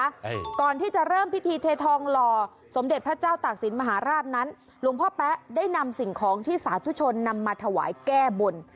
ใช่ก่อนที่จะเริ่มพิธีเททองหล่อสมเด็จพระเจ้าตากศิลปมหาราชนั้นหลวงพ่อแป๊ะได้นำสิ่งของที่สาธุชนนำมาถวายแก้บน